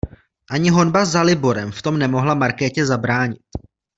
Ani honba za Liborem v tom nemohla Markétě zabránit.